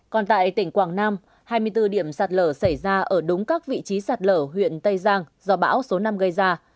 còn tại tỉnh quảng nam hai mươi bốn điểm sạt lở xảy ra ở đúng các vị trí sạt lở huyện tây giang do bão số năm gây ra